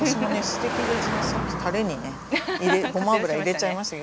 捨てきれずにさっきたれにねごま油入れちゃいました。